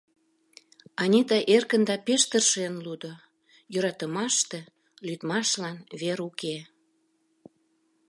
Анита эркын да пеш тыршен лудо: «Йӧратымаште лӱдмашлан вер уке.